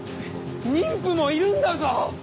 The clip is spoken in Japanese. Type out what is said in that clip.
妊婦もいるんだぞ？